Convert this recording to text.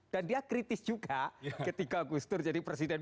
dan dia kritis juga ketika agustur jadi presiden pun